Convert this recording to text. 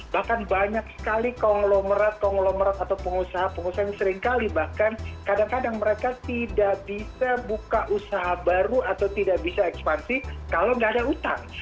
bahkan banyak sekali konglomerat konglomerat atau pengusaha pengusaha yang seringkali bahkan kadang kadang mereka tidak bisa buka usaha baru atau tidak bisa ekspansi kalau nggak ada utang